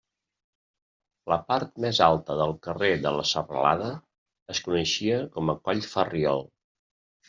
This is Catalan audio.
La part més alta del carrer de la Serralada es coneixia com a coll Ferriol.